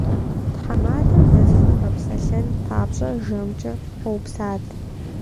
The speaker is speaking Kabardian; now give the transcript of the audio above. Тхьэмадэм нысэр игъэпсэлъэн папщӏэ жэмкӏэ хуэупсат.